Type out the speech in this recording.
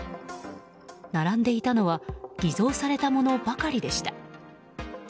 並んでいたのは偽造されたものばかりでした。